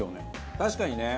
確かにね。